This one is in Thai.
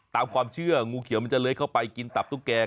ตามความเชื่องูเขียวมันจะเลื้อยเข้าไปกินตับตุ๊กแก่